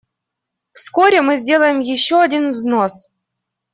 Вскоре мы сделаем еще один взнос.